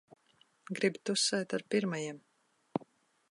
Grib tusēt ar pirmajiem.